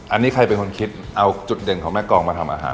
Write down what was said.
อันนี้ใครเป็นคนคิดเอาจุดเด่นของแม่กองมาทำอาหาร